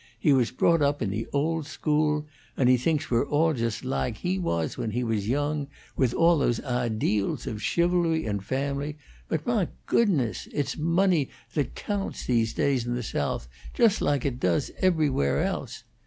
He was brought up in the old school, and he thinks we're all just lahke he was when he was young, with all those ahdeals of chivalry and family; but, mah goodness! it's money that cyoants no'adays in the Soath, just lahke it does everywhere else.